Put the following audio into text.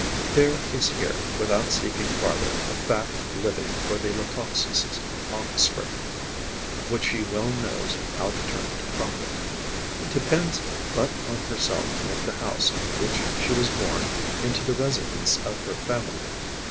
There is here, without seeking farther, a fat living for the Leucopsis' offspring which she well knows how to turn to profit. It depends but on herself to make the house in which she was born into the residence of her family.